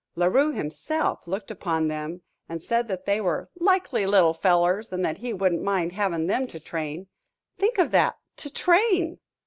La Rue himself looked upon them and said that they were "likely little fellers," and that he "wouldn't mind having them to train." Think of that! To train!